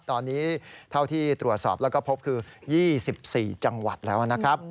ตอนนี้เท่าที่ตรวจสอบแล้วก็พบคือ๒๔จังหวัดแล้วนะครับ